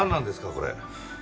これ。